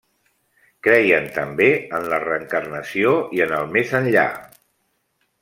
Creien també en la reencarnació i en el més enllà.